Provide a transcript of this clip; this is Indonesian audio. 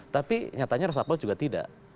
tapi nyatanya resapel juga tidak